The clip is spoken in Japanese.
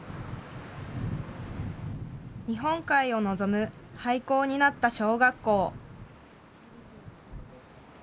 日本海を望む廃校になった小学校。